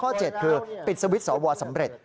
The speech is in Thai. ครั้งข้อ๗ปิดสวิตเซอร์โหว่าสำเร็จ